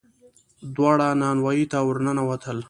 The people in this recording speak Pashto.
دواړه نانوايي ته ور ننوتل.